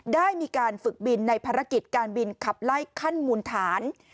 ได้มีการฝึกบินในภารกิจการบินขับไล่ขั้นมูลฐาน